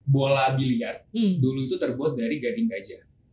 bola biliar dulu itu terbuat dari gading gajah